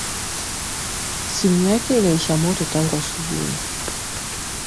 Simu yake inaisha moto tangu asubui